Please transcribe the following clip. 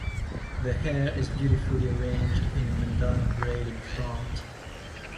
The hair is beautifully arranged in a Madonna braid in front.